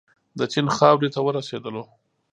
د چین خاورې ته ورسېدلو.